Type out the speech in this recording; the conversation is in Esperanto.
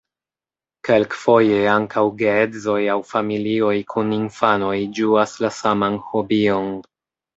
Kelkfoje ankaŭ geedzoj aŭ familioj kun infanoj ĝuas la saman hobion.